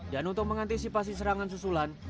dan untuk mengantisipasi serangan susulan